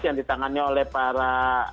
yang ditangannya oleh para